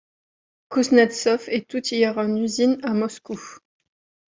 Kouznetsov est outilleur en usine à Moscou.